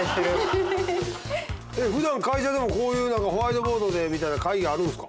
ふだん会社でもこういうホワイトボードでみたいな会議あるんですか？